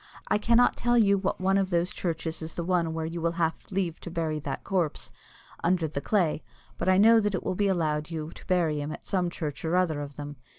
I cannot tell you what one of those churches is the one where you will have leave to bury that corpse under the clay, but I know that it will be allowed you to bury him at some church or other of them.